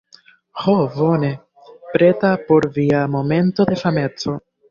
Ho bone... preta por via momento de fameco